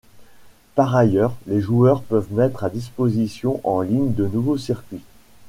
Par ailleurs, les joueurs peuvent mettre à disposition en ligne de nouveau circuits.